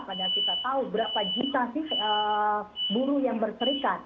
padahal kita tahu berapa juta buru yang berserikat